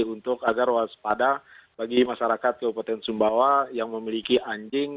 untuk agar waspada bagi masyarakat kabupaten sumbawa yang memiliki anjing